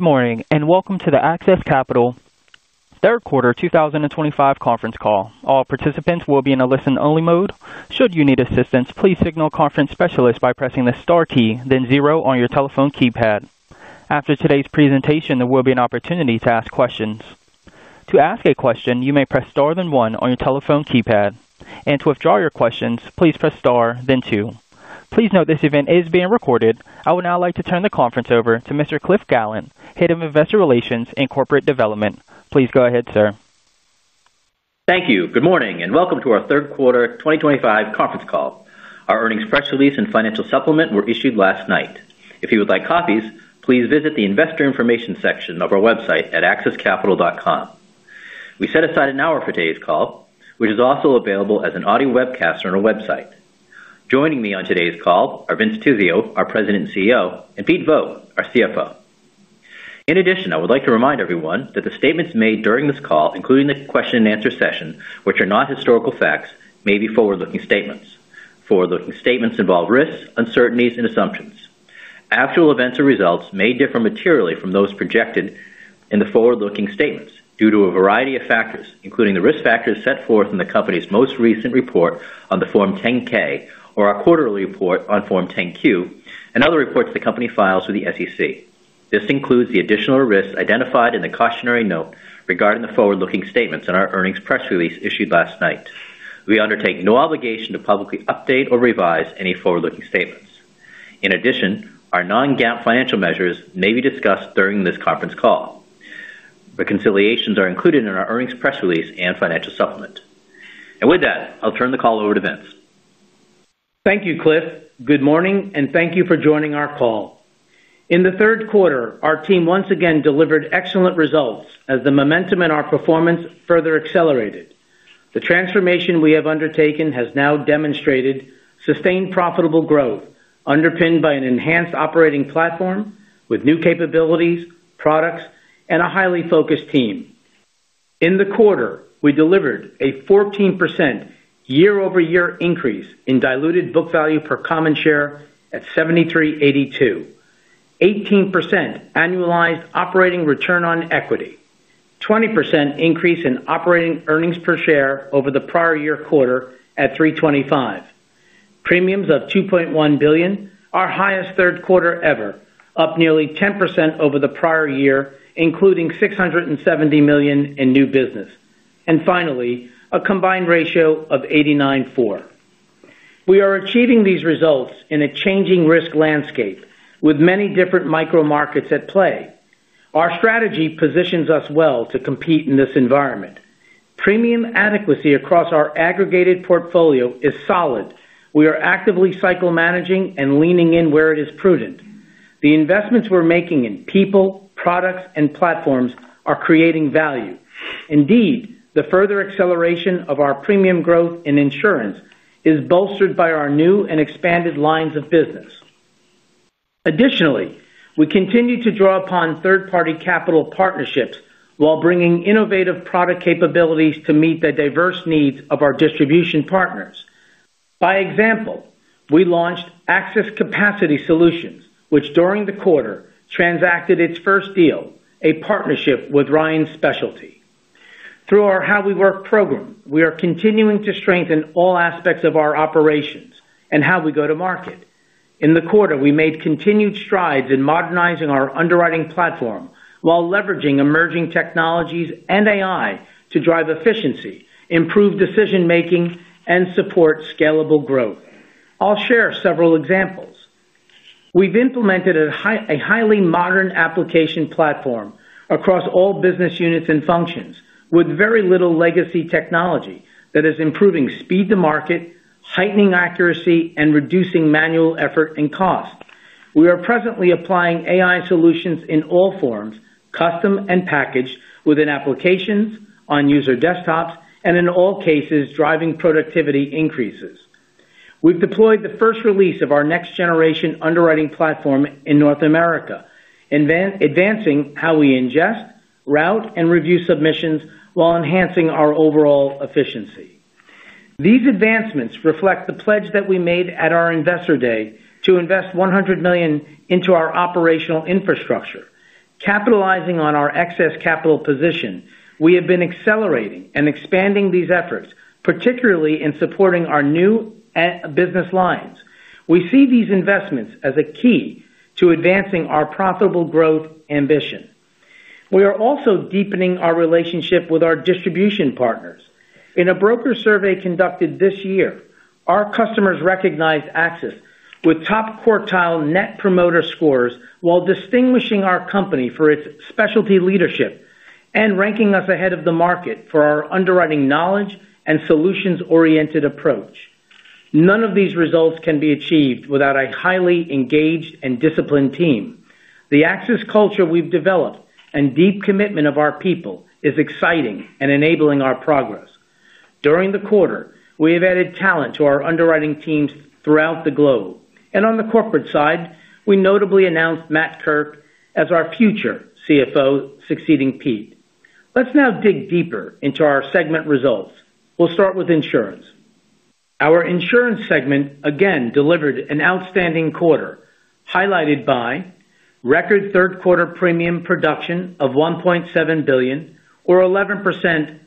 Good morning and welcome to the AXIS Capital third quarter 2025 conference call. All participants will be in a listen only mode. Should you need assistance, please signal a conference specialist by pressing the star key then zero on your telephone keypad. After today's presentation, there will be an opportunity to ask questions. To ask a question, you may press star then one on your telephone keypad and to withdraw your questions, please press star then two. Please note this event is being recorded. I would now like to turn the conference over to Mr. Cliff Gallant, Head of Investor Relations and Corporate. Please go ahead, sir. Thank you. Good morning and welcome to our third quarter 2025 conference call. Our earnings press release and financial supplement were issued last night. If you would like copies, please visit the investor information section of our website at axiscapital.com. We set aside an hour for today's call, which is also available as an audio webcast on our website. Joining me on today's call are Vincent Tizzio, our President and CEO, and Pete Vogt, our CFO. In addition, I would like to remind everyone that the statements made during this call, including the question and answer session, which are not historical facts, may be forward-looking statements. Forward-looking statements involve risks, uncertainties, and assumptions. Actual events or results may differ materially from those projected in the forward-looking statements due to a variety of factors, including the risk factors set forth in the Company's most recent report on Form 10-K or our quarterly report on Form 10-Q and other reports the Company files with the SEC. This includes the additional risks identified in the cautionary note regarding the forward-looking statements in our earnings press release issued last night. We undertake no obligation to publicly update or revise any forward-looking statements. In addition, our non-GAAP financial measures may be discussed during this conference call. Reconciliations are included in our earnings press release and financial supplement. With that, I'll turn the call over to Vincent. Thank you, Cliff. Good morning and thank you for joining our call. In the third quarter, our team once again delivered excellent results as the momentum in our performance further accelerated. The transformation we have undertaken has now demonstrated sustained profitable growth underpinned by an enhanced operating platform with new capabilities, products, and a highly focused team. In the quarter, we delivered a 14% year-over-year increase in diluted book value per common share at $73.82, 18% annualized operating return on equity, and a 20% increase in operating earnings per share over the prior year quarter at $3.25. Premiums of $2.1 billion, our highest third quarter ever, up nearly 10% over the prior year, including $670 million in new business, and finally a combined ratio of 89.4. We are achieving these results in a changing risk landscape with many different micro markets at play. Our strategy positions us well to compete in this environment. Premium adequacy across our aggregated portfolio is solid. We are actively cycle managing and leaning in where it is prudent. The investments we're making in people, products, and platforms are creating value. Indeed, the further acceleration of our premium growth in insurance is bolstered by our new and expanded lines of business. Additionally, we continue to draw upon third-party capital partnerships while bringing innovative product capabilities to meet the diverse needs of our distribution partners. By example, we launched Axis Capacity Solutions, which during the quarter transacted its first deal, a partnership with Ryan Specialty. Through our How We Work program, we are continuing to strengthen all aspects of our operations and how we go to market. In the quarter, we made continued strides in modernizing our underwriting platform while leveraging emerging technologies and AI to drive efficiency, improve decision making, and support scalable growth. I'll share several examples. We've implemented a highly modern application platform across all business units and functions with very little legacy technology that is improving speed to market, heightening accuracy, and reducing manual effort and cost. We are presently applying AI solutions in all forms, custom and packaged within applications, on user desktops, and in all cases driving productivity increases. We've deployed the first release of our next generation underwriting platform in North America, advancing how we ingest, route, and review submissions while enhancing our overall efficiency. These advancements reflect the pledge that we made at our investor day to invest $100 million into our operational infrastructure. Capitalizing on our excess capital position, we have been accelerating and expanding these efforts, particularly in supporting our new business lines. We see these investments as a key to advancing our profitable growth ambition. We are also deepening our relationship with our distribution partners. In a broker survey conducted this year, our customers recognized AXIS with top quartile net promoter scores while distinguishing our company for its specialty leadership and ranking us ahead of the market for our underwriting knowledge and solutions-oriented approach. None of these results can be achieved without a highly engaged and disciplined team. The AXIS culture we've developed and deep commitment of our people is exciting and enabling our progress. During the quarter, we have added talent to our underwriting teams throughout the globe and on the corporate side, we notably announced Matt Kirk as our future CFO, succeeding Pete. Let's now dig deeper into our segment results. We'll start with insurance. Our insurance segment again delivered an outstanding quarter highlighted by record third quarter premium production of $1.7 billion or 11%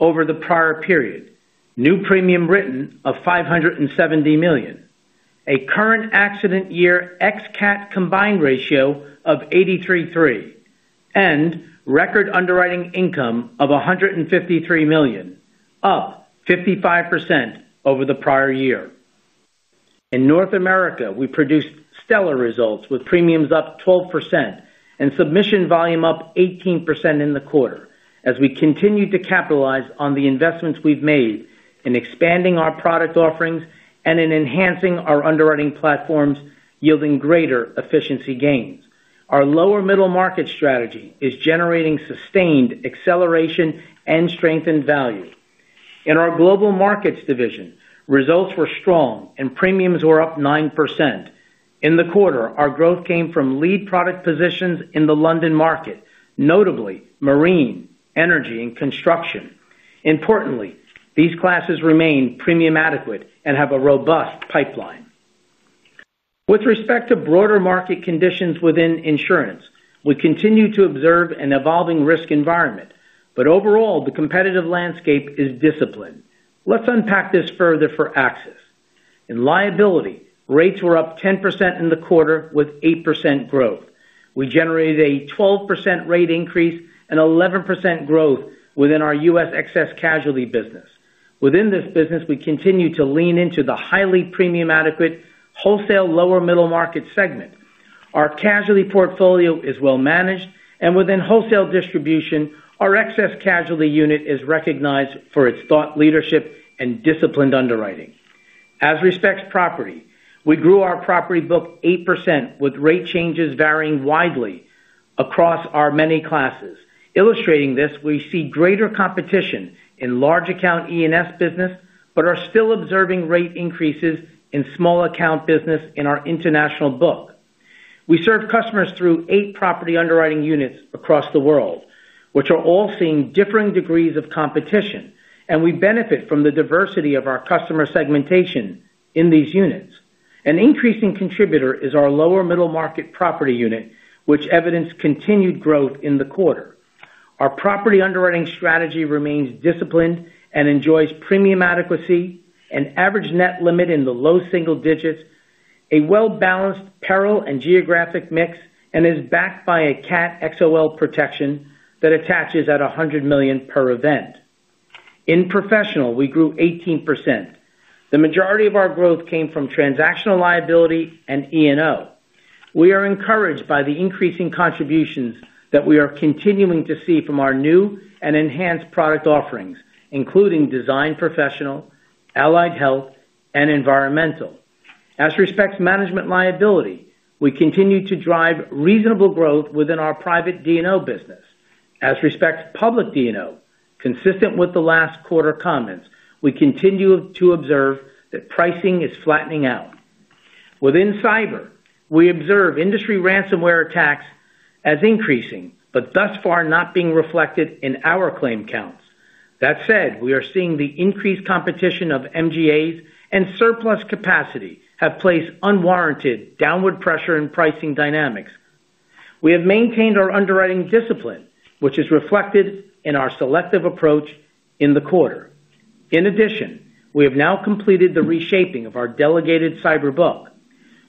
over the prior period, new premium written of $570 million, a current accident year ex-cat combined ratio of 83.3%, and record underwriting income of $153 million, up 55% over the prior year. In North America, we produced stellar results with premiums up 12% and submission volume up 18% in the quarter. As we continue to capitalize on the investments we've made in expanding our product offerings and in enhancing our underwriting platforms yielding greater efficiency gains, our lower middle market strategy is generating sustained acceleration and strengthened value. In our global markets division, results were strong and premiums were up 9% in the quarter. Our growth came from lead product positions in the London market, notably marine, energy, and construction. Importantly, these classes remain premium adequate and have a robust pipeline. With respect to broader market conditions within insurance, we continue to observe an evolving risk environment, but overall the competitive landscape is disciplined. Let's unpack this further for AXIS. In liability, rates were up 10% in the quarter with 8% growth. We generated a 12% rate increase and 11% growth within our U.S. excess casualty business. Within this business, we continue to lean into the highly premium adequate wholesale lower middle market segment. Our casualty portfolio is well managed, and within wholesale distribution, our excess casualty unit is recognized for its thought leadership and disciplined underwriting. As respects property, we grew our property book 8% with rate changes varying widely across our many classes. Illustrating this, we see greater competition in large account E&S business but are still observing rate increases in small account business. In our international book, we serve customers through eight property underwriting units across the world, which are all seeing differing degrees of competition, and we benefit from the diversity of our customer segmentation in these units. An increasing contributor is our lower middle market property unit, which evidenced continued growth in the quarter. Our property underwriting strategy remains disciplined and enjoys premium adequacy, an average net limit in the low single digits, a well-balanced peril and geographic mix, and is backed by a Cat XOL protection that attaches at $100 million per event. In professional, we grew 18%. The majority of our growth came from transactional liability and E&O. We are encouraged by the increasing contributions that we are continuing to see from our new and enhanced product offerings, including design, professional, allied, health, and environmental. As respects management liability, we continue to drive reasonable growth within our private D&O business. As respects public D&O, consistent with the last quarter comments, we continue to observe that pricing is flattening out. Within cyber, we observe industry ransomware attacks as increasing, but thus far not being reflected in our claim counts. That said, we are seeing the increased competition of MGAs and surplus capacity have placed unwarranted downward pressure in pricing dynamics. We have maintained our underwriting discipline, which is reflected in our selective approach in the quarter. In addition, we have now completed the reshaping of our delegated cyber book.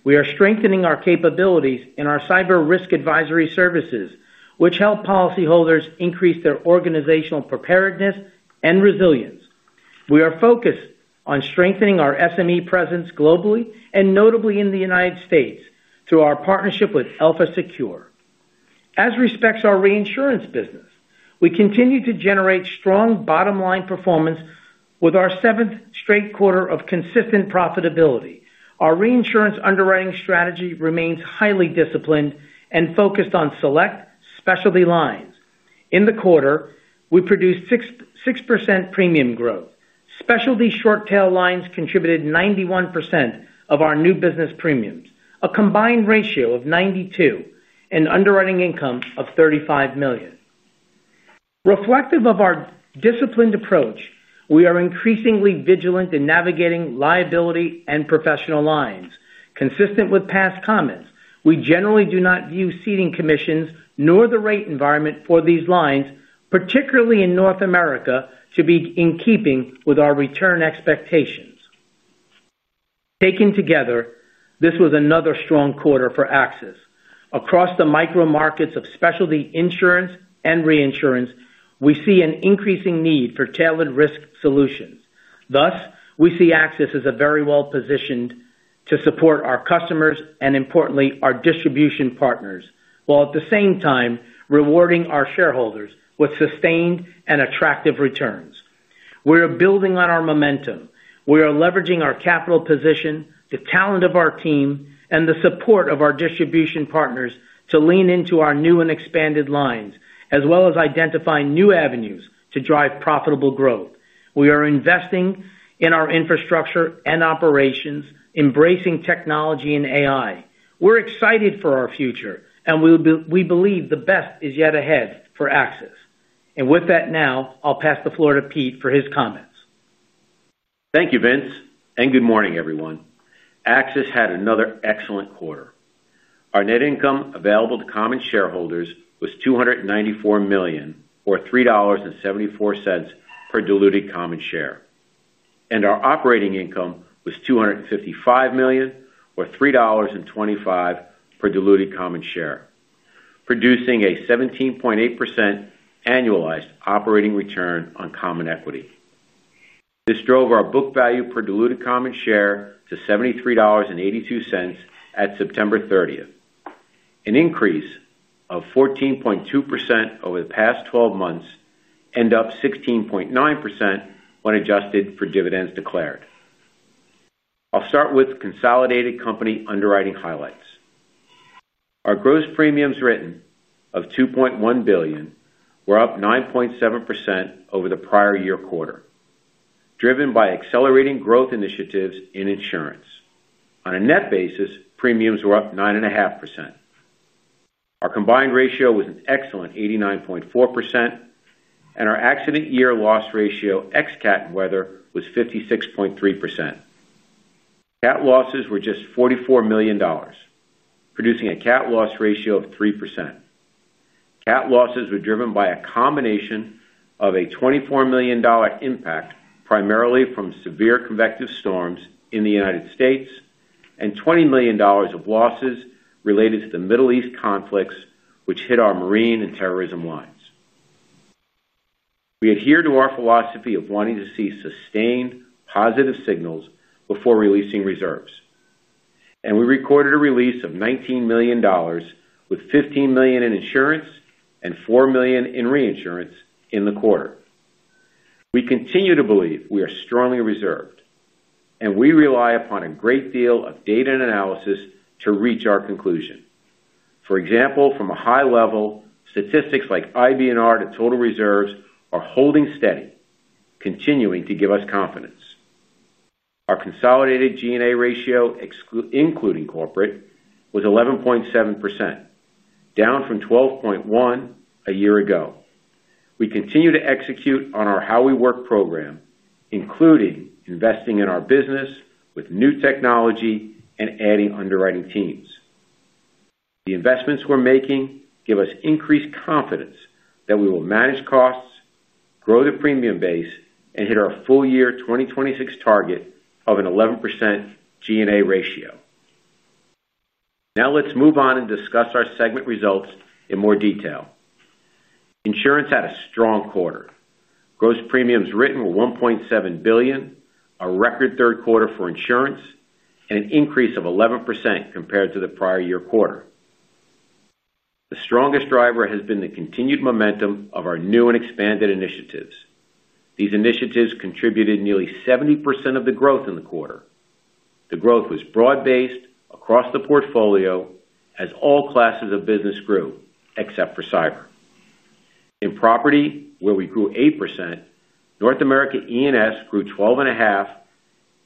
We are strengthening our capabilities in our cyber risk advisory services, which help policyholders increase their organizational preparedness and resilience. We are focused on strengthening our SME presence globally and notably in the United States through our partnership with AlphaseCure. As respects our reinsurance business, we continue to generate strong bottom line performance with our seventh straight quarter of consistent profitability. Our reinsurance underwriting strategy remains highly disciplined and focused on select specialty lines. In the quarter we produced 6% premium growth. Specialty short tail lines contributed 91% of our new business premiums, a combined ratio of 92, and underwriting income of $35 million. Reflective of our disciplined approach, we are increasingly vigilant in navigating liability and professional lines. Consistent with past comments, we generally do not view ceding commissions nor the rate environment for these lines, particularly in North America, to be in keeping with our return expectations. Taken together, this was another strong quarter for AXIS. Across the micro markets of specialty insurance and reinsurance, we see an increasing need for tailored risk solutions. Thus, we see AXIS as very well positioned to support our customers and importantly our distribution partners while at the same time rewarding our shareholders with sustained and attractive returns. We are building on our momentum. We are leveraging our capital position, the talent of our team, and the support of our distribution partners to lean into our new and expanded lines as well as identify new avenues to drive profitable growth. We are investing in our infrastructure and operations, embracing technology and AI. We're excited for our future and we believe the best is yet ahead for AXIS. With that, now I'll pass the floor to Pete for his comments. Thank you, Vince, and good morning, everyone. AXIS had another excellent quarter. Our net income available to common shareholders was $294 million, or $3.74 per diluted common share, and our operating income was $255 million, or $3.25 per diluted common share, producing a 17.8% annualized operating return on common equity. This drove our book value per diluted common share to $73.82 at September 30, an increase of 14.2% over the past 12 months and up 16.9% when adjusted for dividends declared. I'll start with consolidated company underwriting highlights. Our gross premiums written of $2.1 billion were up 9.7% over the prior year quarter, driven by accelerating growth initiatives in insurance. On a net basis, premiums were up 9.5%. Our combined ratio was an excellent 89.4%, and our accident year loss ratio ex-cat weather was 56.3%. Cat losses were just $44 million, producing a cat loss ratio of 3%. Cat losses were driven by a combination of a $24 million impact primarily from severe convective storms in the United States and $20 million of losses related to the Middle East conflicts, which hit our marine and terrorism lines. We adhere to our philosophy of wanting to see sustained positive signals before releasing reserves, and we recorded a release of $19 million, with $15 million in insurance and $4 million in reinsurance in the quarter. We continue to believe we are strongly reserved, and we rely upon a great deal of data and analysis to reach our conclusion. For example, from a high-level, statistics like IBNR to total reserves are holding steady, continuing to give us confidence. Our consolidated G&A ratio, including corporate, was 11.7%, down from 12.1% a year ago. We continue to execute on our How We Work program, including investing in our business with new technology and adding underwriting teams. The investments we're making give us increased confidence that we will manage costs, grow the premium base, and hit our full year 2026 target of an 11% G&A ratio. Now let's move on and discuss our segment results in more detail. Insurance had a strong quarter. Gross premiums written were $1.7 billion, a record third quarter for insurance and an increase of 11% compared to the prior year quarter. The strongest driver has been the continued momentum of our new and expanded initiatives. These initiatives contributed nearly 70% of the growth in the quarter. The growth was broad-based across the portfolio as all classes of business grew except for cyber. In property where we grew 8%, North America E&S grew 12.5%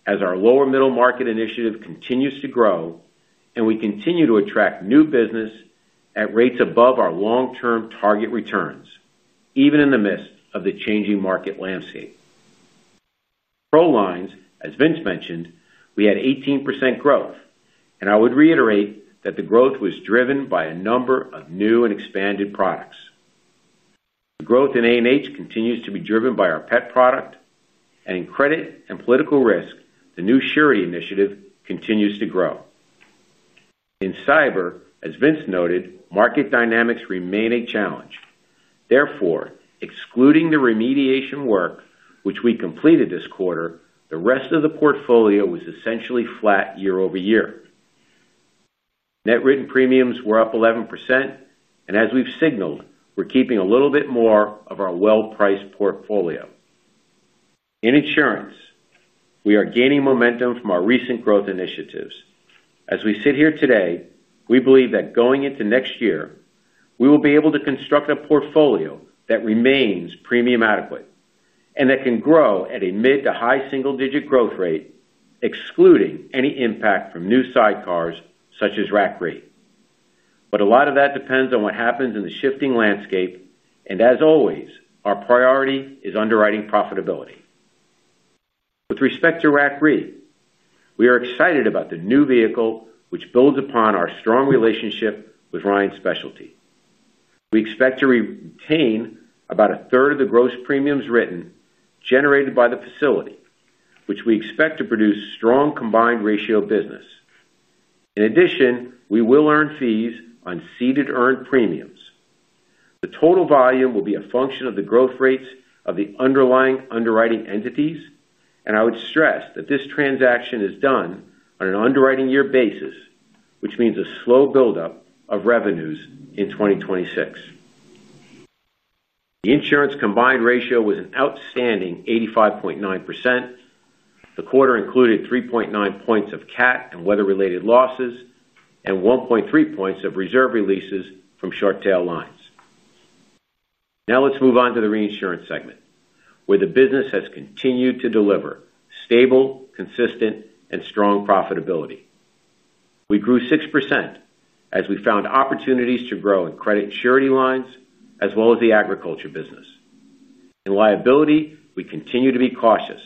as our lower middle market initiative continues to grow and we continue to attract new business at rates above our long-term target returns even in the midst of the changing market landscape. Pro lines, as Vince mentioned, we had 18% growth and I would reiterate that the growth was driven by a number of new and expanded products. The growth in A&H continues to be driven by our Pet product and in credit and political risk. The new surety initiative continues to grow. In cyber, as Vince noted, market dynamics remain a challenge. Therefore, excluding the remediation work which we completed this quarter, the rest of the portfolio was essentially flat year over year. Net written premiums were up 11% and as we've signaled, we're keeping a little bit more of our well-priced portfolio in insurance. We are gaining momentum from our recent growth initiatives. As we sit here today, we believe that going into next year we will be able to construct a portfolio that remains premium adequate and that can grow at a mid to high single-digit growth rate excluding any impact from new sidecars such as RAC Re. A lot of that depends on what happens in the shifting landscape and as always our priority is underwriting profitability. With respect to RAC Re, we are excited about the new vehicle which builds upon our strong relationship with Ryan Specialty. We expect to retain about a third of the gross premiums written generated by the facility, which we expect to produce strong combined ratio business. In addition, we will earn fees on ceded earned premiums. The total volume will be a function of the growth rates of the underlying underwriting entities and I would stress that this transaction is done on an underwriting year basis, which means a slow buildup of revenues. In 2026, the insurance combined ratio was an outstanding 85.9%. The quarter included 3.9 points of cat and weather-related losses and 1.3 points of reserve releases from short tail lines. Now let's move on to the reinsurance segment where the business has continued to deliver stable, consistent, and strong profitability. We grew 6% as we found opportunities to grow in credit surety lines as well as the agriculture business. In liability, we continue to be cautious,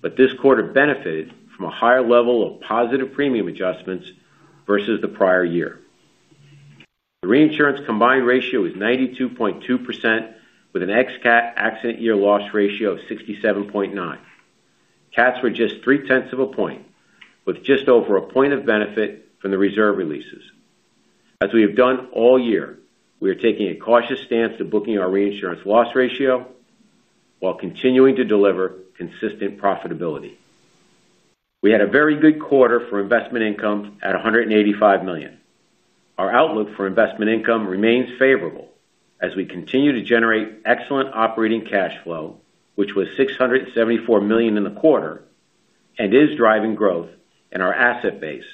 but this quarter benefited from a higher level of positive premium adjustments versus the prior year. The reinsurance combined ratio is 92.2% with an ex-cat accident year loss ratio of 67.9%. Cats were just 3.1 of a point with just over a point of benefit from the reserve releases. As we have done all year, we are taking a cautious stance to booking our reinsurance loss ratio while continuing to deliver consistent profitability. We had a very good quarter for investment income at $185 million. Our outlook for investment income remains favorable as we continue to generate excellent operating cash flow, which was $674 million in the quarter and is driving growth in our asset base.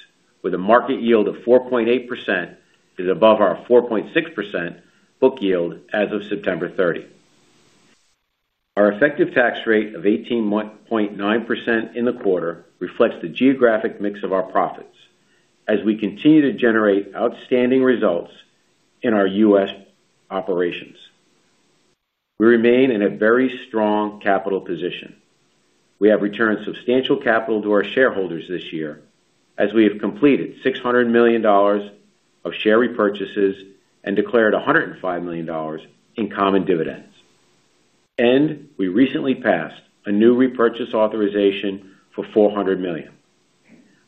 A market yield of 4.8% is above our 4.6% book yield as of September 30, 2023. Our effective tax rate of 18.9% in the quarter reflects the geographic mix of our profits as we continue to generate outstanding results in our U.S. operations. We remain in a very strong capital position. We have returned substantial capital to our shareholders this year as we have completed $600 million of share repurchases and declared $105 million in common dividends. We recently passed a new repurchase authorization for $400 million.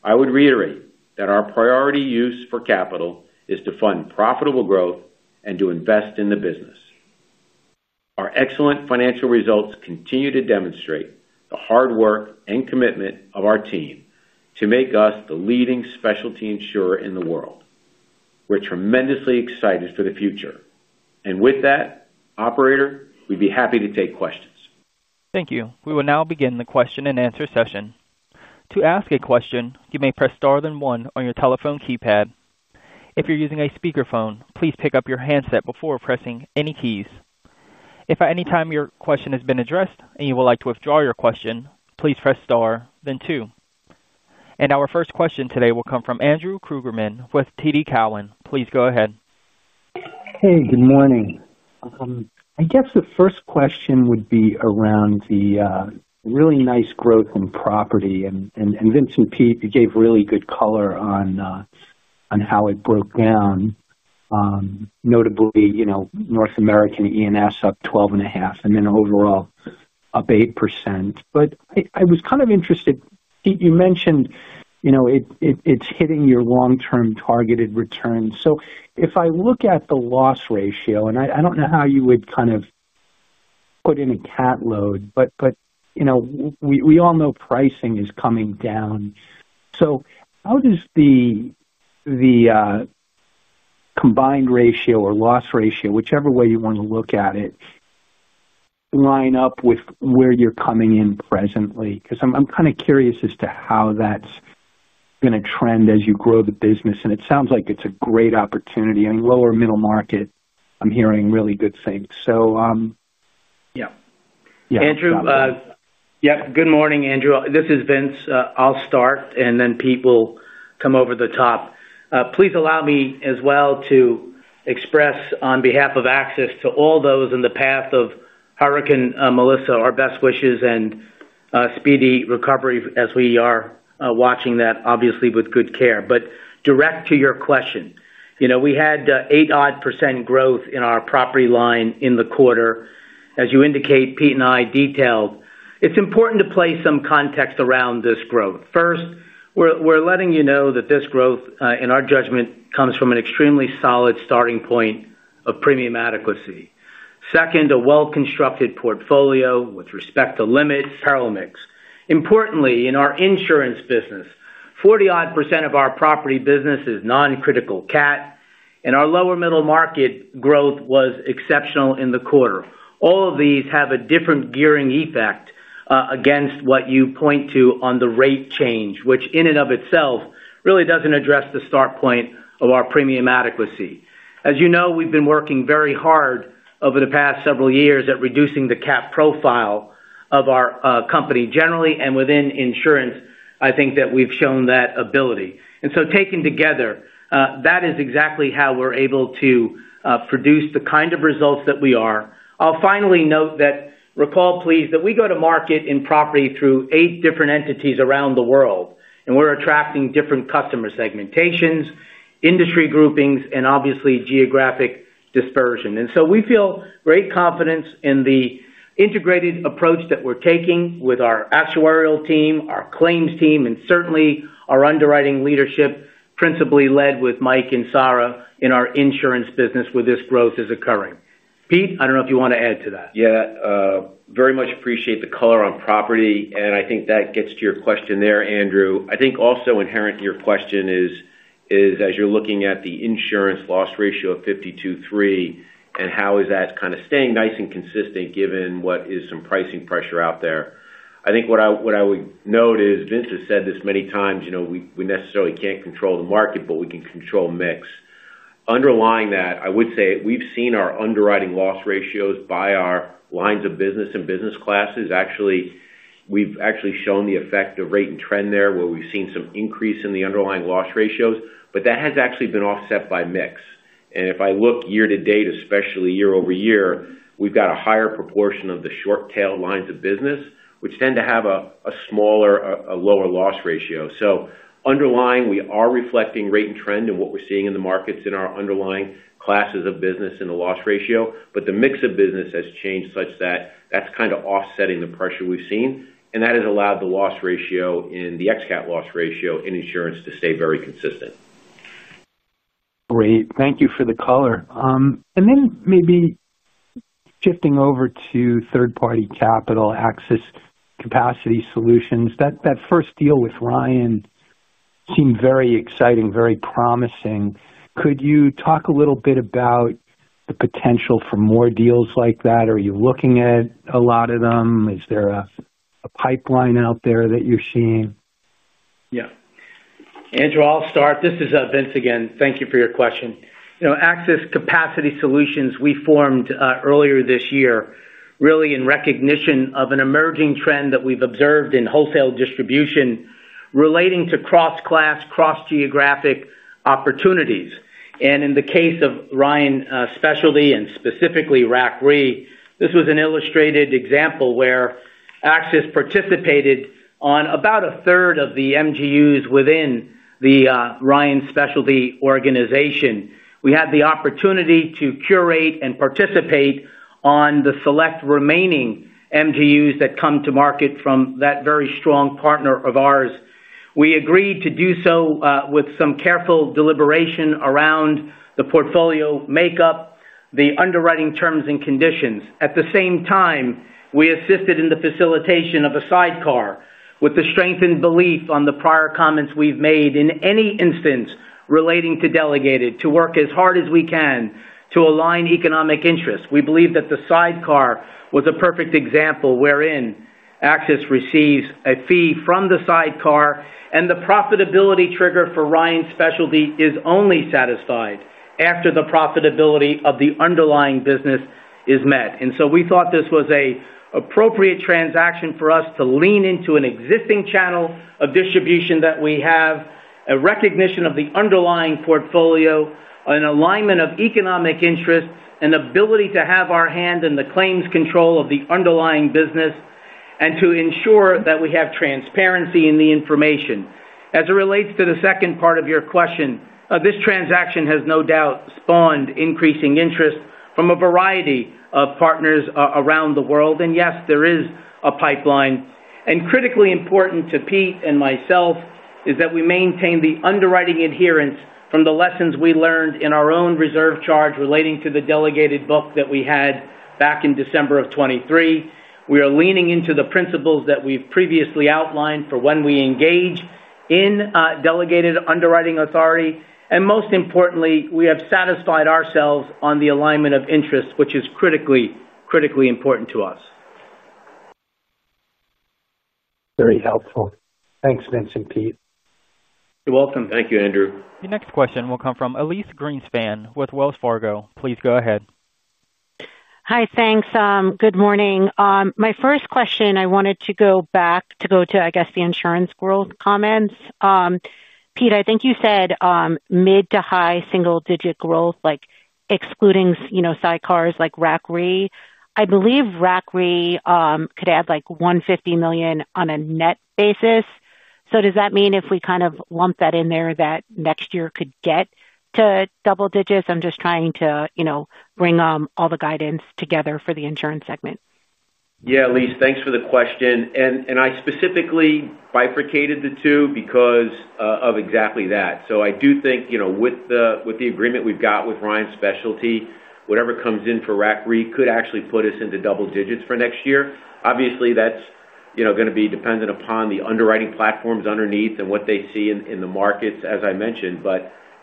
I would reiterate that our priority use for capital is to fund profitable growth and to invest in the business. Our excellent financial results continue to demonstrate the hard work and commitment of our team to make us the leading specialty insurer in the world. We're tremendously excited for the future and with that, operator, we'd be happy to take questions. Thank you. We will now begin the question and answer session. To ask a question, you may press star then one on your telephone keypad. If you're using a speakerphone, please pick up your handset before pressing any keys. If at any time your question has been addressed and you would like to withdraw your question, please press star then two. Our first question today will come from Andrew Kligerman with TD Securities. Please go ahead. Hey, good morning. I guess the first question would be around the really nice growth in property, and Vincent, Pete, you gave really good color on how it broke down. Notably, North American E&S up 12.5% and then overall up 8%. I was kind of interested. You mentioned it's hitting your long-term targeted return. If I look at the loss ratio, and I don't know how you would kind of put in a cat load, but we all know pricing is coming down. How does the combined ratio or loss ratio, whichever way you want to look at it, line up with where you're coming in presently? Because I'm kind of curious as to how that's going to trend as you grow the business. It sounds like it's a great opportunity. I mean lower middle market, hearing really good things. Yeah, Andrew. Good morning, Andrew. This is Vince. I'll start and then Pete will come over the top. Please allow me as well to express on behalf of AXIS to all those in the path of Hurricane Melissa, our best wishes and speedy recovery. We are watching that obviously with good care. Direct to your question, we had 8% growth in our property line in the quarter as you indicate. Pete and I detailed it's important to place some context around this growth. First, we're letting you know that this growth in our judgment comes from an extremely solid starting point of premium adequacy. Second, a well-constructed portfolio with respect to limit parameters. Importantly, in our insurance business, 40% of our property business is non-critical cat and our lower middle market growth was exceptional in the quarter. All of these have a different gearing effect against what you point to on the rate change, which in and of itself really doesn't address the start point of our premium adequacy. As you know, we've been working very hard over the past several years at reducing the cat profile of our company generally. Within insurance, I think that we've shown that ability. Taken together, that is exactly how we're able to produce the kind of results that we are. I'll finally note that, recall please, that we go to market in property through eight different entities around the world and we're attracting different customer segmentations, industry groupings, and obviously geographic dispersion. We feel great confidence in the integrated approach that we're taking with our actuarial team, our claims team, and certainly our underwriting leadership, principally led with Mike and Sara in our insurance business where this growth is occurring. Pete, I don't know if you want to add to that. Yeah, very much appreciate the color on property and I think that gets to your question there, Andrew. I think also inherent to your question is as you're looking at the insurance loss ratio of 52.3% and how is that kind of staying nice and consistent given what is some pricing pressure out there? I think what I would note is Vince has said this many times, you know, we necessarily can't control the market, but we can control mix. Underlying that, I would say we've seen our underwriting loss ratios by our lines of business and business classes. We've actually shown the effect of rate and trend there where we've seen some increase in the underlying loss ratios. That has actually been offset by mix. If I look year to date, especially year over year, we've got a higher proportion of the short tail lines of business which tend to have a smaller, a lower loss ratio. Underlying, we are reflecting rate and trend and what we're seeing in the markets in our underlying classes of business in the loss ratio. The mix of business has changed such that that's kind of offsetting the pressure we've seen. That has allowed the loss ratio and the ex-cat loss ratio in insurance to stay very consistent. Great, thank you for the color. Maybe shifting over to third-party capital Axis Capacity Solutions. That first deal with Ryan Specialty seemed very exciting, very promising. Could you talk a little bit about the potential for more deals like that? Are you looking at a lot of them? Is there a pipeline out there that you're seeing. Yeah, Andrew, I'll start. This is Vince. Again, thank you for your question. You know, Axis Capacity Solutions we formed earlier this year really in recognition of an emerging trend that we've observed in wholesale distribution relating to cross class, cross geographic opportunities. In the case of Ryan Specialty and specifically RAC Re, this was an illustrated example where AXIS participated on about a third of the MGUs within the Ryan Specialty organization. We had the opportunity to curate and participate on the select remaining MGUs that come to market from that very strong partner of ours. We agreed to do so with some careful deliberation around the portfolio makeup, the underwriting terms and conditions, at the same time as we assisted in the facilitation of a sidecar with the strengthened belief on the prior comments we've made in any instance relating to delegated to work as hard as we can to align economic interests. We believe that the sidecar was a perfect example wherein AXIS receives a fee from the sidecar and the profitability trigger for Ryan Specialty is only satisfied after the profitability of the underlying business. We thought this was an appropriate transaction for us to lean into an existing channel of distribution that we have a recognition of the underlying portfolio, an alignment of economic interests, an ability to have our hand in the claims control of the underlying business, and to ensure that we have transparency in the information. As it relates to the second part of your question, this transaction has no doubt spawned increasing interest from a variety of partners around the world. Yes, there is a pipeline. Critically important to Pete and myself is that we maintain the underwriting adherence from the lessons we learned in our own reserve charge relating to the delegated book that we had back in December of 2023. We are leaning into the principles that we've previously outlined for when we engage in delegated underwriting authority. Most importantly, we have satisfied ourselves on the alignment of interests which is critically, critically important to us. Very helpful. Thanks, Vince and Pete. You're welcome. Thank you, Andrew. The next question will come from Elyse Greenspan with Wells Fargo. Please go ahead. Hi. Thanks. Good morning. My first question, I wanted to go back to, I guess, the insurance growth comments. Pete, I think you said mid to high single digit growth, like excluding, you know, sidecars like RAC Re. I believe RAC Re could add like $150 million on a net basis. Does that mean if we kind of lump that in there, that next year could get to double digits? I'm just trying to, you know, bring all the guidance together for the insurance segment. Yeah, Elyse, thanks for the question. I specifically bifurcated the two because of exactly that. I do think, you know, with the agreement we've got with Ryan Specialty, whatever comes in for RAC Re could actually put us into double digits for next year. Obviously, that's going to be dependent upon the underwriting platforms underneath and what they see in the markets, as I mentioned.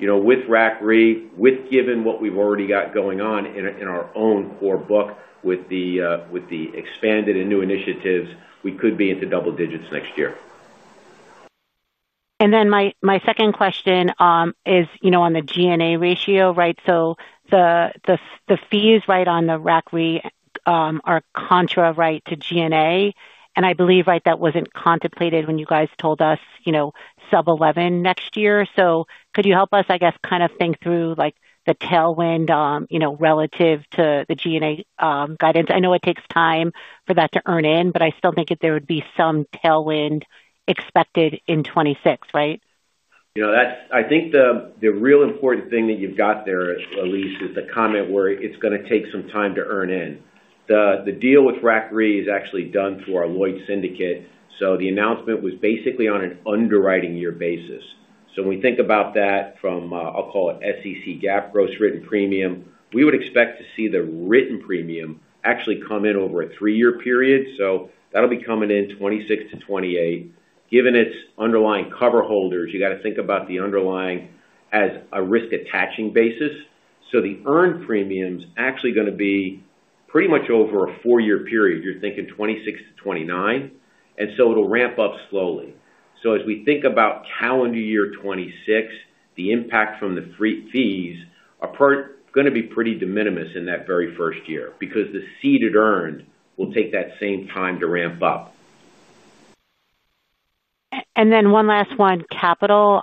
With RAC Re, given what we've already got going on in our own core book, with the expanded and new initiatives, we could be into double digits next year. My second question is on the G&A ratio. The fees on the RAC Re are contra to G&A, and I believe that wasn't contemplated when you guys told us sub 11% next year. Could you help us think through the tailwind relative to the G&A guidance? I know it takes time for that to earn in, but I still think that there would be some tailwind expected in 2026. You know, that's, I think the real important thing that you've got there, Elyse, is the comment where it's going to take some time to earn in. The deal with RAC Re is actually done through our Lloyd's Syndicate. The announcement was basically on an underwriting year basis. When we think about that from, I'll call it SEC GAAP gross written premium, we would expect to see the written premium actually come in over a three-year period. That'll be coming in 2026 to 2028. Given its underlying cover holders, you got to think about the underlying as a risk attaching basis. The earned premium is actually going to be pretty much over a four-year period, you're thinking 2026 to 2029, and it will ramp up slowly. As we think about calendar year 2026, the impact from the fees are going to be pretty de minimis in that very first year because the ceded earned will take that same time to ramp up. One last one on capital.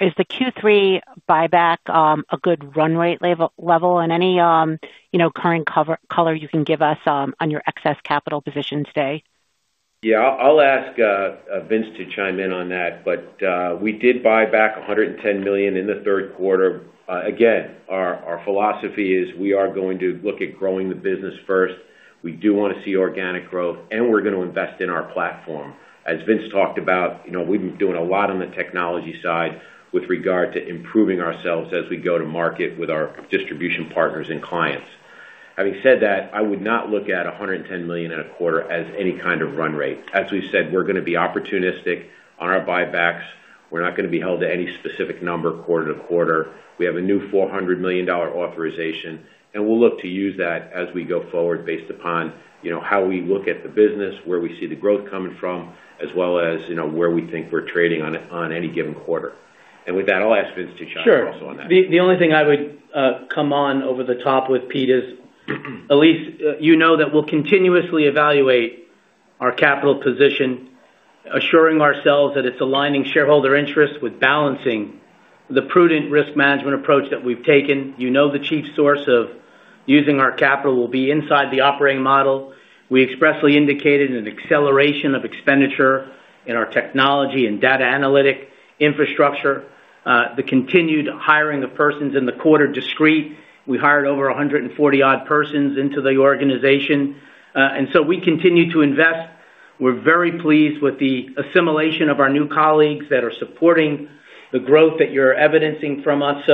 Is the Q3 buyback a good run rate level, and any current color you can give us on your excess capital position today? Yeah, I'll ask Vince to chime in on that. We did buy back $110 million in the third quarter. Again, our philosophy is we are going to look at growing the business first. We do want to see organic growth and we're going to invest in our platform. As Vince talked about, we've been doing a lot on the technology side with regard to improving ourselves as we go to market with our distribution partners and clients. Having said that, I would not look at $110 million in a quarter as any kind of run rate. As we said, we're going to be opportunistic on our buybacks. We're not going to be held to any specific number quarter to quarter. We have a new $400 million authorization and we'll look to use that as we go forward based upon how we look at the business, where we see the growth coming from, as well as where we think we're trading on any given quarter. With that, I'll ask Vince to chime also on that. Sure. The only thing I would come on over the top with, Pete, is Elyse. You know that we'll continuously evaluate our capital position, assuring ourselves that it's aligning shareholder interest with balancing the prudent risk management approach that we've taken. You know, the chief source of using our capital will be inside the operating model. We expressly indicated an acceleration of expenditure in our technology and data analytic infrastructure. The continued hiring of persons in the quarter, discrete. We hired over 140 odd persons into the organization, and we continue to invest. We're very pleased with the assimilation of our new colleagues that are supporting the growth that you're evidencing from us.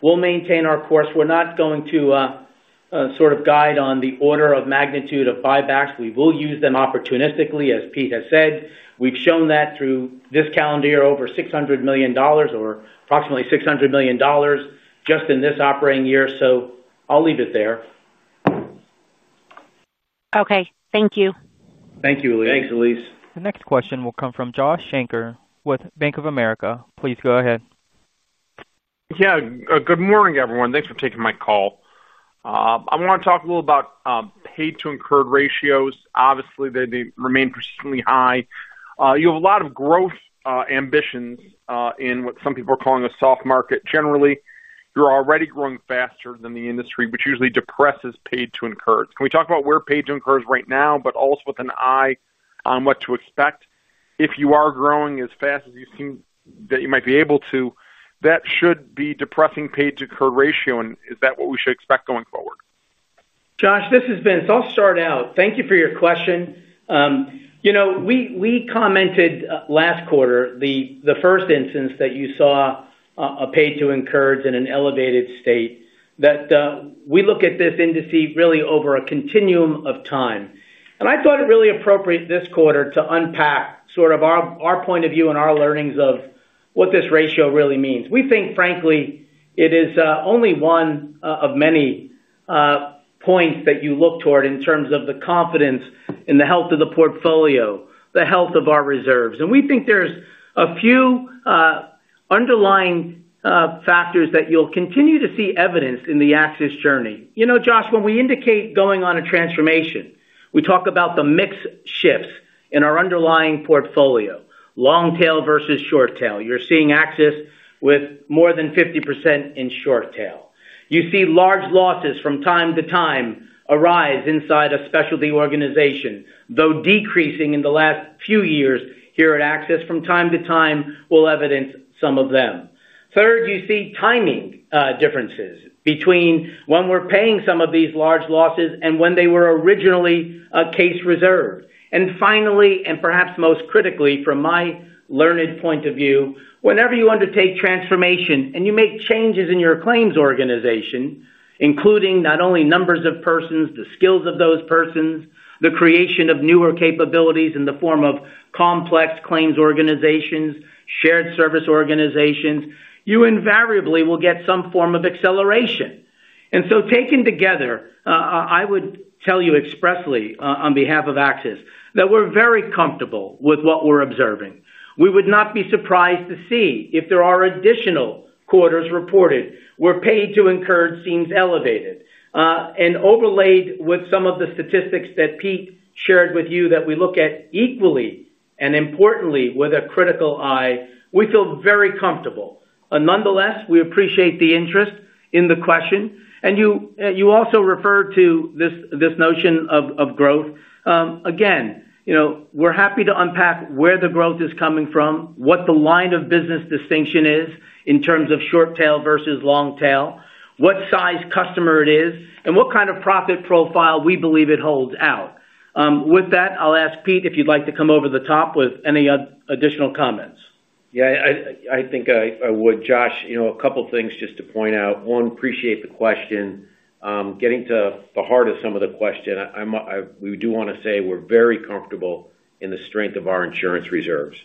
We'll maintain our course. We're not going to guide on the order of magnitude of buybacks. We will use them opportunistically. As Pete has said, we've shown that through this calendar year, over $600 million or approximately $600 million just in this operating year. I'll leave it there. Okay, thank you. Thank you, Elise. Thanks, Elyse. The next question will come from Josh Shanker with Bank of America. Please go ahead. Good morning everyone. Thanks for taking my call. I want to talk a little about paid to incurred ratios. Obviously, they remain persistently high. You have a lot of growth ambitions in what some people are calling a soft market, generally you're already growing faster than the industry, which usually depresses paid to incur. Can we talk about where paid incurs right now, but also with an eye on what to expect if you are growing as fast as you think that you might be able to, that should be depressing. Paid to curd ratio. Is that what we should expect going forward? Josh, this is Vince. I'll start out. Thank you for your question. You know, we commented last quarter, the first instance that you saw a paid to incur ratio in an elevated state that we look at these indices really over a continuum of time. I thought it really appropriate this quarter to unpack sort of our point of view and our learnings of what this ratio really means. We think, frankly, it is only one of many points that you look toward in terms of the confidence in the health of the portfolio, the health of our reserves. We think there's a few underlying factors that you'll continue to see evidence in the AXIS journey. You know, Josh, when we indicate going on a transformation, we talk about the mix shifts in our underlying portfolio. Long tail versus short tail. You're seeing AXIS with more than 50% in short tail. You see large losses from time to time arise inside a specialty organization, though decreasing in the last few years here at AXIS, from time to time we will evidence some of them. Third, you see timing differences between when we're paying some of these large losses and when they were originally case reserved. Finally, and perhaps most critically, from my learned point of view, whenever you undertake transformation and you make changes in your claims organization, including not only numbers of persons, the skills of those persons, the creation of newer capabilities in the form of complex claims organizations, shared service organizations, you invariably will get some form of acceleration. Taken together, I would tell you expressly on behalf of AXIS that we're very comfortable with what we're observing. We would not be surprised to see if there are additional quarters reported where paid to incur seems elevated and overlaid with some of the statistics that Pete shared with you that we look at equally and importantly with a critical eye. We feel very comfortable. Nonetheless, we appreciate the interest in the question. You also refer to this notion of growth. Again, we're happy to unpack where the growth is coming from, what the line of business distinction is in terms of short tail versus long tail, what size customer it is and what kind of profit profile we believe it holds. With that, I'll ask Pete if you'd like to come over the top with any additional comments. Yeah, I think I would. Josh, a couple things just to point out. One, appreciate the question getting to the heart of some of the question. We do want to say we're very comfortable in the strength of our insurance reserves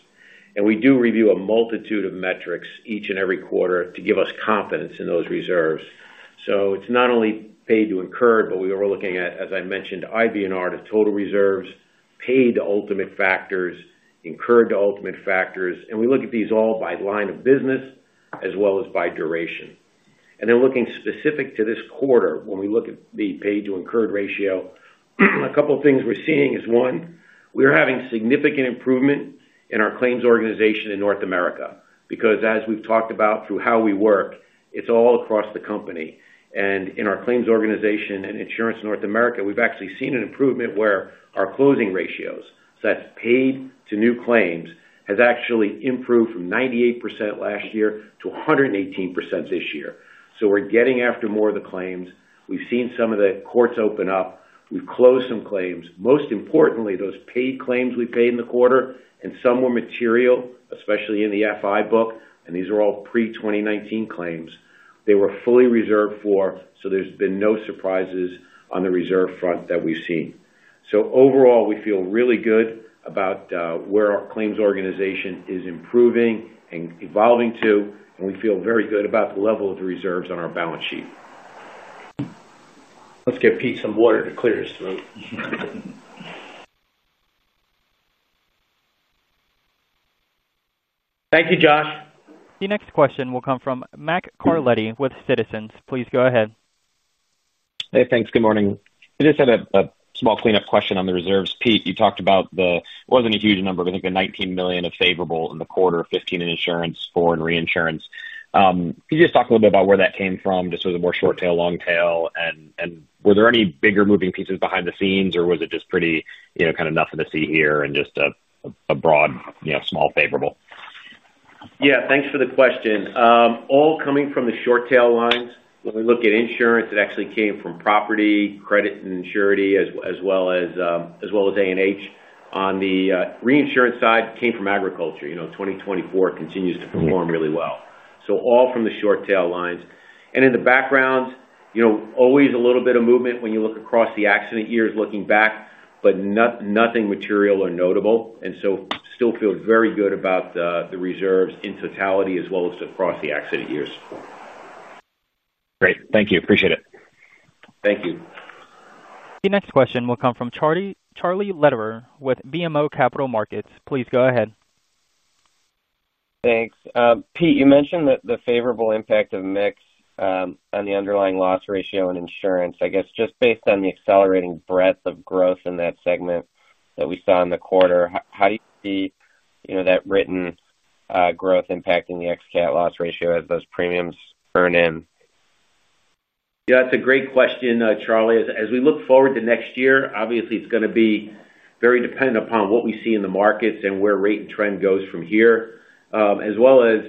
and we do review a multitude of metrics each and every quarter to give us confidence in those reserves. It's not only paid to incurred but we were looking at, as I mentioned, IBNR to total reserves, paid to ultimate factors, incurred to ultimate factors. We look at these all by line of business as well as by duration and then looking specific to this quarter. When we look at the paid to incurred ratio, a couple of things we're seeing is one, we're having significant improvement in our claims organization in North America because as we've talked about through How We Work, it's all across the company and in our claims organization and insurance North America we've actually seen an improvement where our closing ratios, so that's paid to new claims, has actually improved from 98% last year to 118% this year. We're getting after more of the claims. We've seen some of the courts open up, we've closed some claims, most importantly those paid claims we paid in the quarter and some were material especially in the FI book and these are all pre-2019 claims they were fully reserved for. There's been no surprises on the reserve front that we've seen. Overall we feel really good about where our claims organization is improving and evolving to and we feel very good about the level of the reserves on our balance sheet. Let's get Pete some water to clear us through. Thank you, Josh. The next question will come from Mac Carletti with Citizens. Please go ahead. Hey, thanks. Good morning. I just had a small cleanup question on the reserves. Pete, you talked about there wasn't a huge number but the $19 million of favorable in the quarter, $15 million in insurance, $4 million in reinsurance. Could you just talk a little bit about where that came from? Was this more short tail, long tail? Were there any bigger moving pieces behind the scenes or was it just pretty, you know, kind of nothing to see here and just a broad small favorable? Yeah, thanks for the question. All coming from the short tail lines. When we look at insurance, it actually came from property, credit and surety, as well as A&H. On the reinsurance side, it came from agriculture. You know, 2024 continues to perform really well. So all from the short tail lines. And in the background always a little bit of movement when you look across the accident years looking back, but nothing material or notable, and still feel very good about the reserves in totality as well as across the accident years. Great, thank you. Appreciate it. Thank you. The next question will come from Charlie Lederer with BMO Capital Markets. Please go ahead. Thanks. Pete, you mentioned the favorable impact of mix on the underlying loss ratio in insurance. I guess just based on the accelerating breadth of growth in that segment that we saw in the quarter, how do you see that written growth impacting the ex-cat loss ratio as those premiums earn in. Yeah, that's a great question. Charlie, as we look forward to next year, obviously it's going to be very dependent upon what we see in the markets and where rate and trend goes from here as well as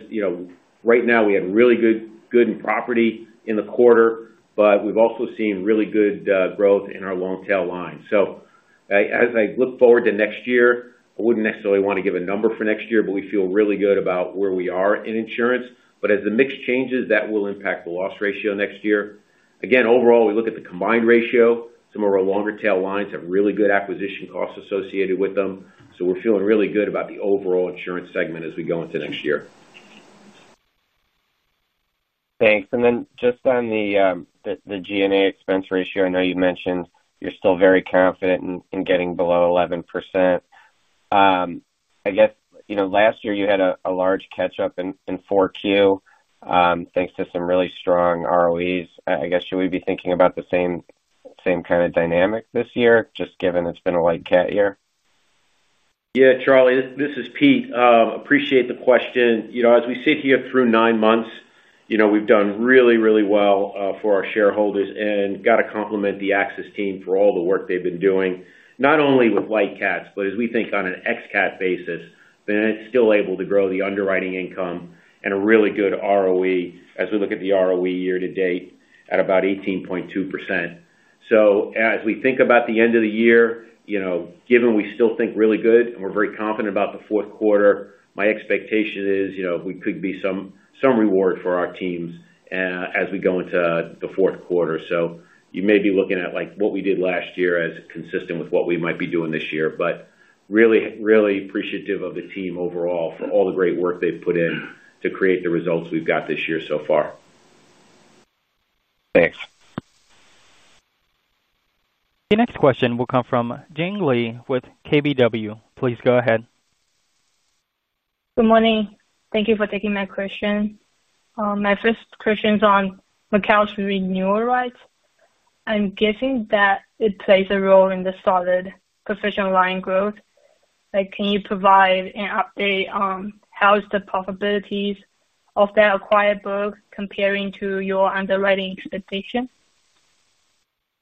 right now. We had really good in property in the quarter, but we've also seen really good growth in our long tail lines. As I look forward to next year, I wouldn't necessarily want to give a number for next year, but we feel really good about where we are in insurance. As the mix changes that will impact the loss ratio next year again, overall we look at the combined ratio. Some of our longer tail lines have really good acquisition costs associated with them. We're feeling really good about the overall insurance segment as we go into next year. Thanks. On the G&A expense ratio, I know you mentioned you're still very confident in getting below 11%. Last year you had a large catch up in 4Q thanks to some really strong ROEs. Should we be thinking about the same kind of dynamic this year just given it's been a light cat year. Yeah. Charlie, this is Pete. Appreciate the question. As we sit here through nine months, we've done really, really well for our shareholders and got to compliment the AXIS team for all the work they've been doing not only with light cat but as we think on an ex-cat basis, been still able to grow the underwriting income and a really good ROE. As we look at the ROE year to date at about 18.2%. As we think about the end of the year, given we still think really good and we're very confident about the fourth quarter, my expectation is we could be some, some reward for our teams as we go into the fourth quarter. You may be looking at like what we did last year as consistent with what we might be doing this year, but really, really appreciative of the team overall for all the great work they've put in to create the results we've got this year so far. Thanks. The next question will come from Jing Li with KBW. Please go ahead. Good morning. Thank you for taking my question. My first question is on renewal rights. I'm guessing that it plays a role in the solid professional lines growth. Can you provide an update on how is the probabilities of that acquired book comparing to your underwriting expectation?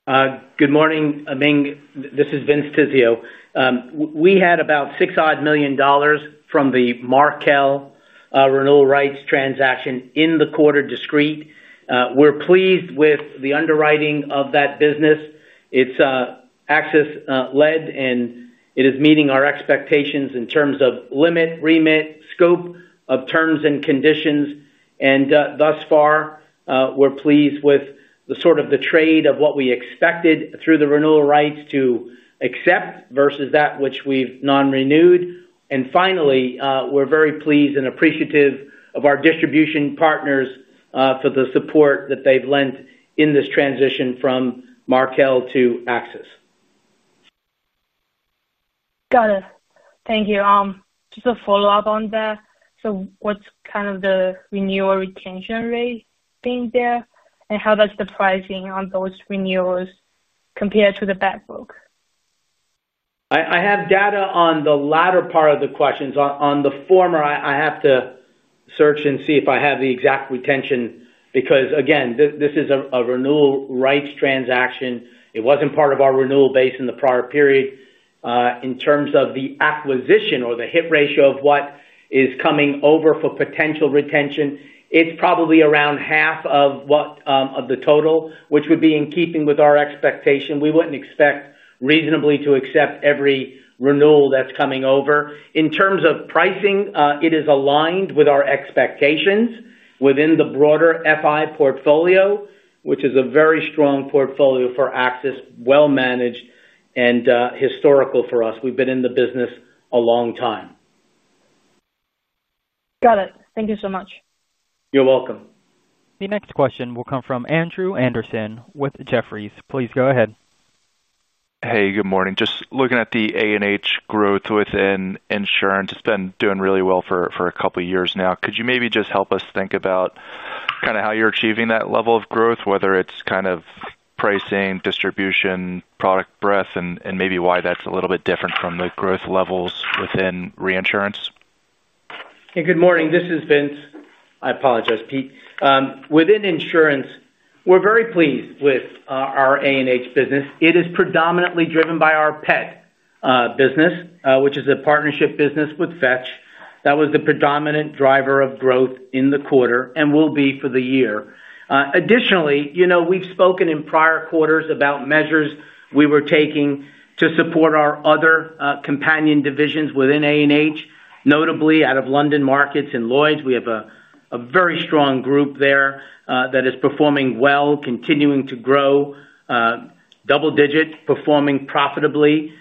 Good morning, Aming, this is Vince Tizzio. We had about $6 million from the Markel renewal rights transaction in the quarter. Discrete. We're pleased with the underwriting of that business. It's AXIS-led and it is meeting our expectations in terms of limit remit, scope of terms and conditions. Thus far we're pleased with the sort of the trade of what we expected through the renewal rights to accept versus that which we've non-renewed. Finally, we're very pleased and appreciative of our distribution partners for the support that they've lent in this transition from Markel to AXIS. Got it. Thank you. Just a follow-up on that. What's kind of the renewal retention rate being there, and how does the pricing on those renewals compare to the back book? I have data on the latter part of the questions. On the former, I have to search and see if I have the exact retention because again, this is a renewal rights transaction. It wasn't part of our renewal base in the prior period. In terms of the acquisition or the hit ratio of what is coming over for potential retention, it's probably around half of the total, which would be in keeping with our expectation. We wouldn't expect reasonably to accept every renewal that's coming over. In terms of pricing, it is aligned with our expectations within the broader FI portfolio, which is a very strong portfolio for AXIS, well managed and historical for us. We've been in the business a long time. Got it. Thank you so much. You're welcome. The next question will come from Andrew Andersen with Jefferies. Please go ahead. Hey, good morning. Just looking at the A&H growth within insurance, it's been doing really well for a couple years now. Could you maybe just help us think about kind of how you're achieving that level of growth, whether it's kind of pricing, distribution, product breadth, and maybe why that's a little bit different from the growth levels within reinsurance. Good morning, this is Vince. I apologize, Pete. Within Insurance, we're very pleased with our A and H business. It is predominantly driven by our Pet business, which is a partnership business with Fetch. That was the predominant driver of growth in the quarter and will be for the year. Additionally, we've spoken in prior quarters about measures we were taking to support our other companion divisions within A and H, notably out of London markets. In Lloyd's, we have a very strong group there that is performing well, continuing to grow double digit, performing profitably.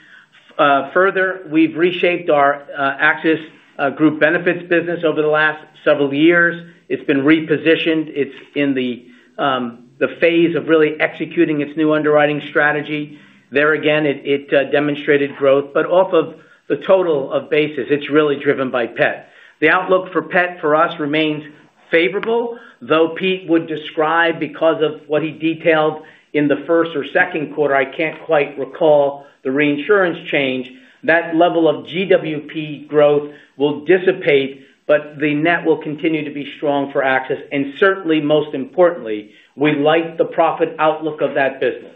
Further, we've reshaped our access to group benefits business over the last several years. It's been repositioned, it's in the phase of really executing its new underwriting strategy. There again, it demonstrated growth, but off of the total of basis. It's really driven by Pet. The outlook for Pet for us remains favorable. Though Pete would describe, because of what he detailed in the first or second quarter, I can't quite recall the reinsurance change, that level of GWP growth will dissipate, but the net will continue to be strong for AXIS and certainly most importantly, we like the profit outlook of that business.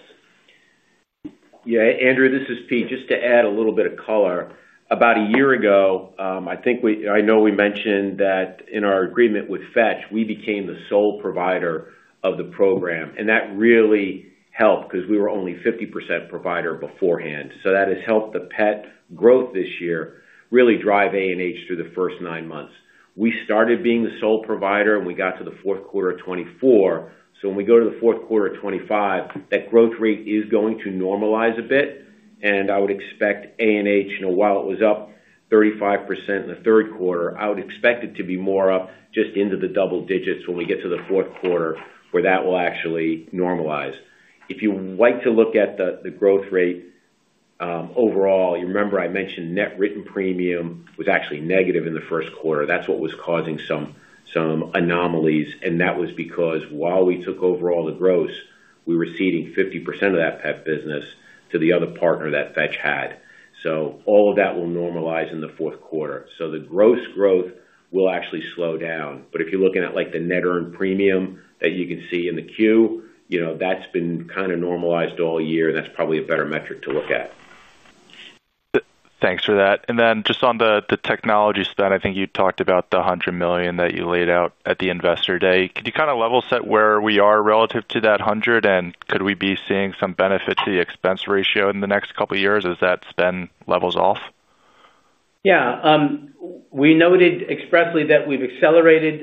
Yeah, Andrew, this is Pete. Just to add a little bit of color, about a year ago, I think, I know we mentioned that in our agreement with Fetch, we became the sole provider of the program and that really helped because we were only 50% provider beforehand. That has helped the pet growth this year really drive through the first nine months. We started being the sole provider and we got to 4Q24. When we go to 4Q25, that growth rate is going to normalize a bit. I would expect, while it was up 35% in the third quarter, I would expect it to be more up just into the double digits when we get to the fourth quarter where that will actually normalize. If you like to look at the growth rate overall, you remember I mentioned net written premium was actually negative in the first quarter. That's what was causing some anomalies. That was because while we took over all the gross, we were seeding 50% of that Pet business to the other partner that Fetch had. All of that will normalize in the fourth quarter. The gross growth will actually slow down. If you're looking at the net earned premium that you can see in the Q that's been kind of normalized all year, that's probably a better metric to look at. Thanks for that. Just on the technology spend, I think you talked about the $100 million that you laid out at the investor day. Could you kind of level set where we are relative to that $100 million, and could we be seeing some benefit to the expense ratio in the next couple of years as that spend levels off? Yeah, we noted expressly that we've accelerated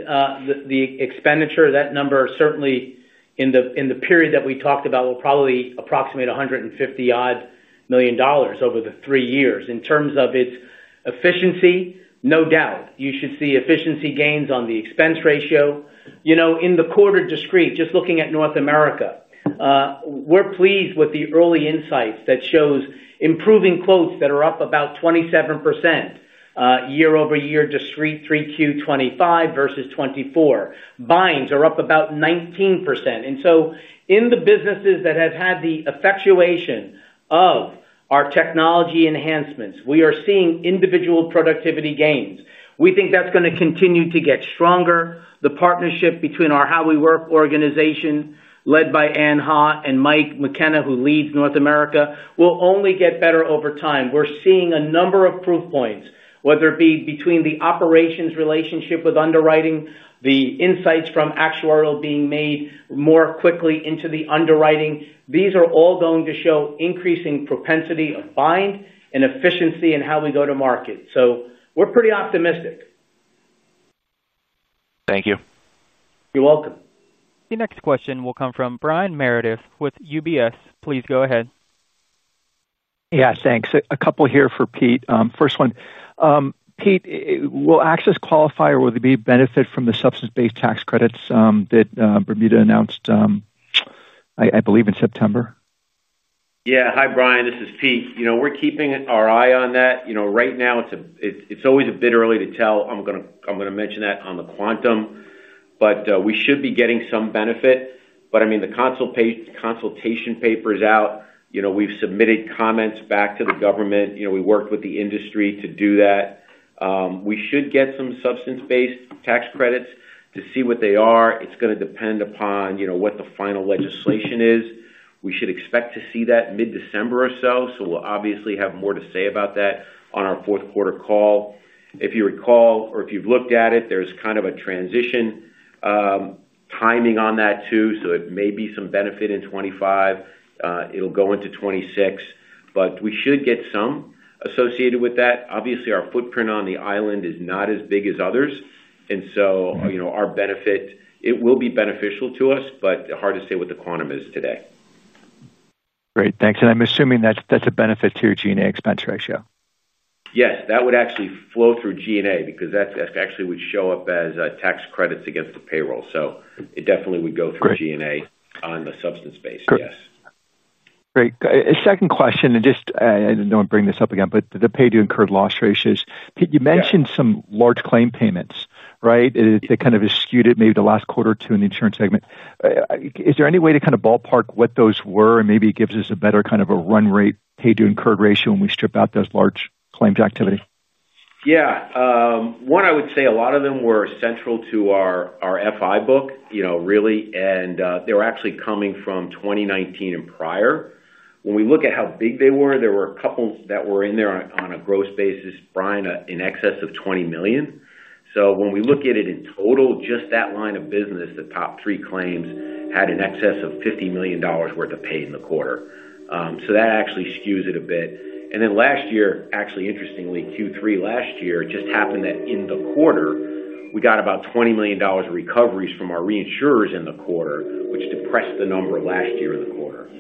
the expenditure. That number certainly in the period that we talked about will probably approximate $150 million over the three years in terms of its efficiency. No doubt you should see efficiency gains on the expense ratio, you know, in the quarter discrete. Just looking at North America, we're pleased with the early insights that show improving quotes that are up about 27% year over year. Discrete 3Q 2025 versus 2024, buyings are up about 19%, and in the businesses that have had the effectuation of our technology enhancements, we are seeing individual productivity gains. We think that's going to continue to get stronger. The partnership between our How We Work organization led by Ann Haugh and Michael McKenna, who leads North America, will only get better over time. We're seeing a number of proof points, whether it be between the operations relationship with underwriting, the insights from actuarial being made more quickly into the underwriting. These are all going to show increasing propensity of buying and efficiency in how we go to market. We're pretty optimistic. Thank you. You're welcome. The next question will come from Brian Meredith with UBS. Please go ahead. Yeah, thanks. A couple here for Pete. First one, Pete, will AXIS qualify or will there be benefit from the substance-based tax credits that Bermuda announced, I believe, in September? Yeah. Hi Brian, this is Pete. You know, we're keeping our eye on that. Right now it's always a bit early to tell. I'm going to mention that on the quantum, but we should be getting some benefit. The consultation paper is out. We've submitted comments back to the government, and we worked with the industry to do that. We should get some substance-based tax credits to see what they are. It's going to depend upon what the final legislation is. We should expect to see that mid December or so. We'll obviously have more to say about that on our fourth quarter call. If you recall or if you've looked at it, there's kind of a transition timing on that too. It may be some benefit in 2025, it'll go into 2026, but we should get some associated with that. Obviously, our footprint on the island is not as big as others, and our benefit, it will be beneficial to us. Hard to say what the quantum is today. Great, thanks. I'm assuming that's a benefit to your G&A expense ratio. Yes, that would actually flow through G&A because that actually would show up as tax credits against the payroll. It definitely would go through G&A on the substance base. Yes. Great. Second question, and just don't bring this up again, but the paid to incurred loss ratios, Pete, you mentioned some large claim payments, right. They kind of skewed it maybe the last quarter or two in the insurance segment. Is there any way to kind of ballpark what those were, and maybe it gives us a better kind of run rate paid to incurred ratio when we strip out those large claims activity. Yeah, one I would say a lot of them were central to our FI book really and they were actually coming from 2019 and prior. When we look at how big they were, there were a couple that were in there on a gross basis, Brian, in excess of $20 million. When we look at it in total, just that line of business, the top three claims had an excess of $50 million worth of pay in the quarter. That actually skews it a bit. Last year, interestingly, Q3 last year it just happened that in the quarter we got about $20 million recoveries from our reinsurers in the quarter, which depressed the number last year in the quarter.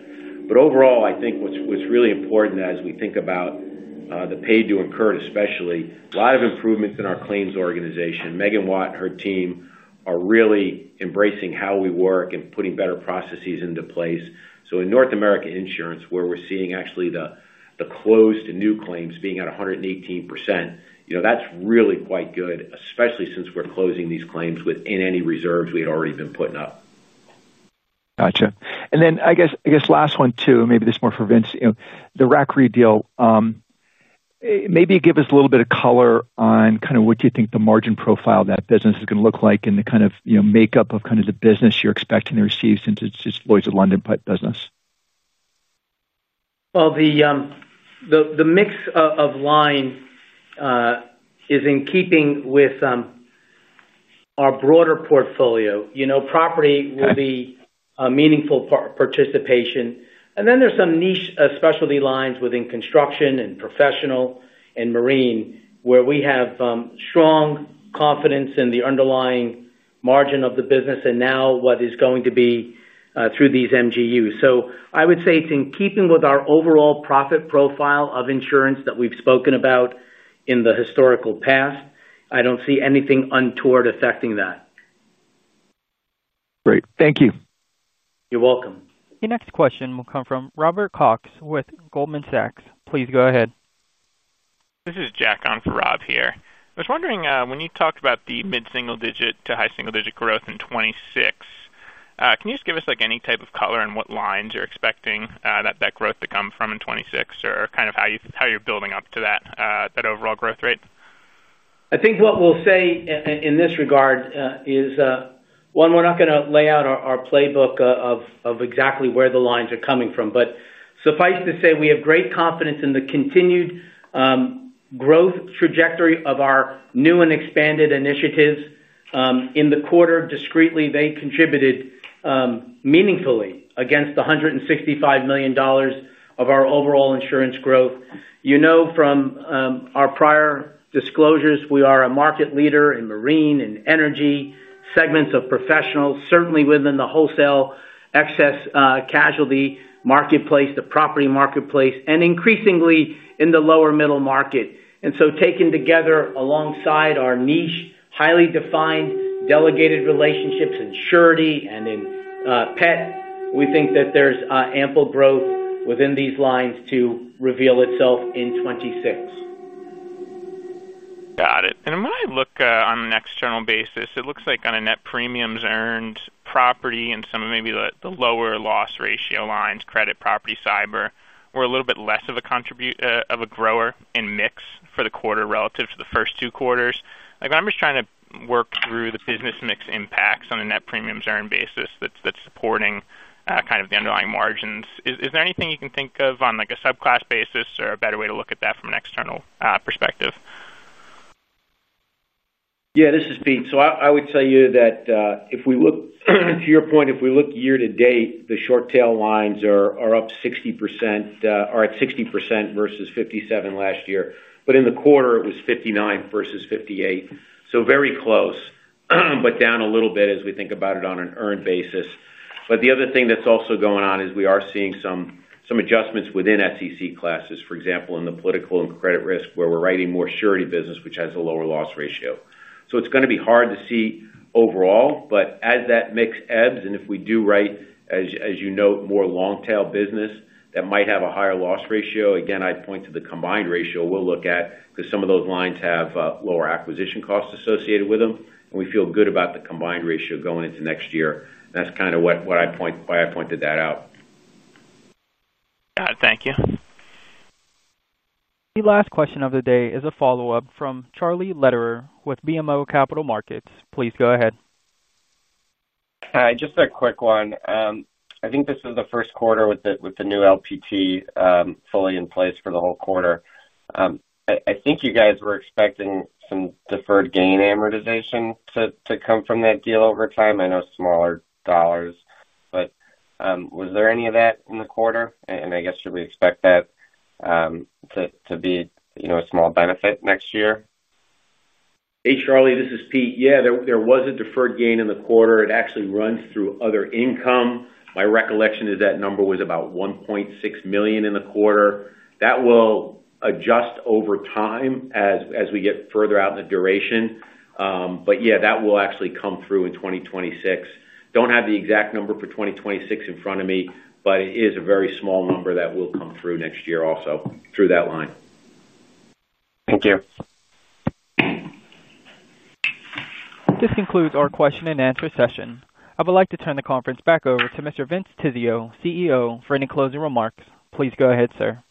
Overall, I think what's really important as we think about the paid to incur, especially a lot of improvements in our claims organization. Megan Watt and her team are really embracing how we work and putting better processes into place. In North America insurance, where we're seeing actually the closed new claims being at 118%, you know that's really quite good, especially since we're closing these claims within any reserves we had already been putting up. Gotcha. I guess last one too. Maybe this is more for Vince. The RAC Re deal, maybe give us a little bit of color on kind of what you think the margin profile of that business is going to look like and the kind of makeup of the business you're expecting to receive since it's Lloyd's London pipe business. The mix of line is in keeping with our broader portfolio. Property will be meaningful participation, and then there's some niche specialty lines within construction and professional and marine where we have strong confidence in the underlying margin of the business. Now what is going to be through these MGUs. I would say it's in keeping with our overall profit profile of insurance that we've spoken about in the historical past. I don't see anything untoward affecting that. Great, thank you. You're welcome. The next question will come from Robert Cox with Goldman Sachs. Please go ahead. This is Jack on for Rob here. I was wondering, when you talked about the mid single digit to high single digit growth in 2026, can you just give us any type of color on what lines you're expecting that growth to come from in 2026 or kind of how you're building up to that overall growth rate? I think what we'll say in this regard is, one, we're not going to lay out our playbook of exactly where the lines are coming from, but suffice to say we have great confidence in the continued growth trajectory of our new and expanded initiatives in the quarter. Discreetly, they contributed meaningfully against $165 million of our overall insurance growth. You know from our prior disclosures, we are a market leader in marine and energy segments, in professional lines, certainly within the wholesale excess casualty marketplace, the property marketplace, and increasingly in the lower middle market. Taken together alongside our niche, highly defined delegated relationships in surety and in pet, we think that there's ample growth within these lines to reveal itself in 2026. Got it. When I look on an external basis, it looks like on a net premiums earned property and some of maybe the lower loss ratio lines, credit, property, cyber, we're a little bit less of a contribution of a grower in mix for the quarter relative to the first two quarters. I'm just trying to work through the business mix impacts on a net premiums earned basis that's supporting kind of the underlying margins. Is there anything you can think of on a subclass basis or a better way to look at that from an external perspective? Yeah, this is Pete. I would tell you that if we look to your point, if we look year to date, the short tail lines are up 60% or at 60% versus 57% last year. In the quarter it was 59% versus 58%. Very close, but down a little bit as we think about it on an earned basis. The other thing that's also going on is we are seeing some adjustments within SEC classes, for example, in the political and credit risk where we're writing more surety business, which has a lower loss ratio. It's going to be hard to see overall, but as that mix ebbs and if we do write, as you note, more long tail business that might have a higher loss ratio, again I point to the combined ratio we'll look at because some of those lines have lower acquisition costs associated with them, and we feel good about the combined ratio going into next year. That's kind of why I pointed that out. Got it. Thank you. The last question of the day is a follow-up from Charlie Lederer with BMO Capital Markets. Please go ahead. Hi. Just a quick one. I think this is the first quarter with the new LPT fully in place for the whole quarter. I think you guys were expecting some deferred gain amortization to come from that deal over time. I know smaller dollars, but was there any of that in the quarter? I guess should we expect that to be a small benefit next year? Hey, Charlie, this is Pete. Yeah, there was a deferred gain in the quarter. It actually runs through other income. My recollection is that number was about $1.0 million in the quarter. That will adjust over time as we get further out in the duration. Yeah, that will actually come through in 2026. I do not have the exact number for 2026 in front of me, but it is a very small number that will come through next year, also through that line. Thank you. This concludes our question and answer session. I would like to turn the conference back over to Mr. Vincent Tizzio, CEO, for any closing remarks. Please go ahead, sir.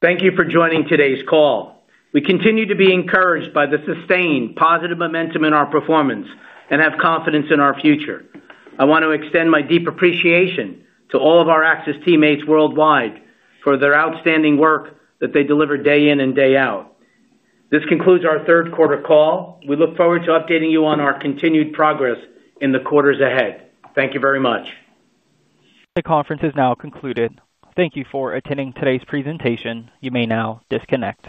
Thank you for joining today's call. We continue to be encouraged by the sustained positive momentum in our performance and have confidence in our future. I want to extend my deep appreciation to all of our AXIS teammates worldwide for their outstanding work that they deliver day in and day out. This concludes our third quarter call. We look forward to updating you on our continued progress in the quarters ahead. Thank you very much. The conference has now concluded. Thank you for attending today's presentation. You may now disconnect.